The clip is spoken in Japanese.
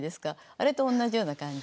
あれと同じような感じ。